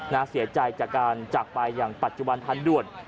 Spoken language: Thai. เสียใจจากการจากไปอย่างปัจจุบันทันด่วน